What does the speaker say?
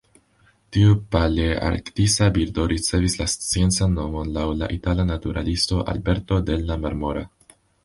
Tiu palearktisa birdo ricevis la sciencan nomon laŭ la itala naturalisto Alberto della Marmora.